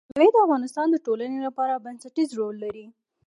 مېوې د افغانستان د ټولنې لپاره بنسټيز رول لري.